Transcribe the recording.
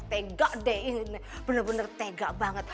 tegak deh bener bener tega banget